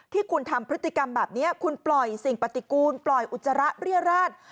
ที่คุณทำพฤติกรรมแบบนี้คุณปล่อยสิ่งปฏิกูลปล่อยอุจจาระเรียราช